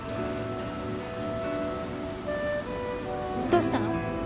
どうしたの？